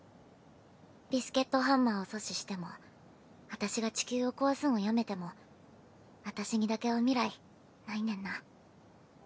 ビスケットハンマーを阻止しても私が地球を壊すんをやめても私にだけは未来ないねんな。